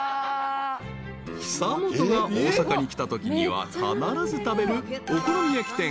［久本が大阪に来たときには必ず食べるお好み焼き店］